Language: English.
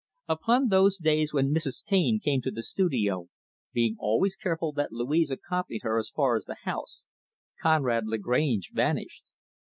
Upon those days when Mrs. Taine came to the studio, being always careful that Louise accompanied her as far as the house, Conrad Lagrange vanished.